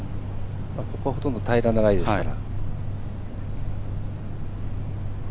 ここはほとんど平らなライですから。